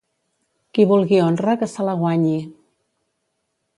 Qui vulgui honra, que se la guanyi.